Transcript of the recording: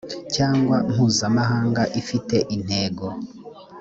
cyangwa mpuzamahanga ifite intego